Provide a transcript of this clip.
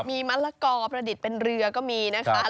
มีมะละกอประดิษฐ์เป็นเรือก็มีนะคะ